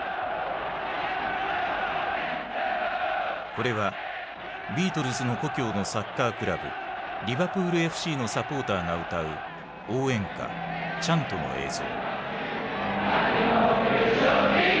これはビートルズの故郷のサッカークラブリバプールＦＣのサポーターが歌う応援歌チャントの映像。